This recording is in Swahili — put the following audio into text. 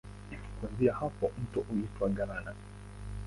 Kuanzia hapa mto huitwa Galana.